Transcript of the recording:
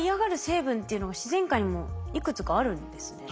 成分っていうのが自然界にもいくつかあるんですね。